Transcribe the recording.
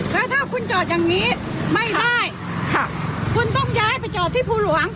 แล้วถ้าคุณจอดอย่างนี้ไม่ได้ค่ะคุณต้องย้ายไปจอดที่ภูหลวง